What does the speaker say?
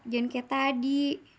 jangan kaya tadi